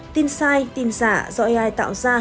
tin sai tin giả do ai tạo ra